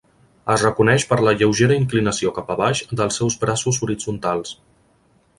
Es reconeix per la lleugera inclinació cap a baix dels seus braços horitzontals.